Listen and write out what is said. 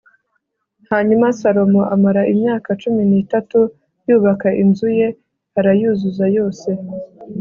Hanyuma Salomo amara imyaka cumi n’itatu yubaka inzu ye, arayuzuza yose